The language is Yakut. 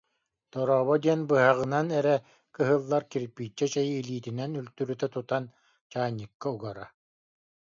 «Дорообо» диэн быһаҕынан эрэ кыһыллар кирпииччэ чэйи илиитинэн үлтүрүтэ тутан чаанньыкка угара